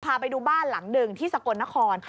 พาไปดูบ้านหลังหนึ่งที่สกลนคร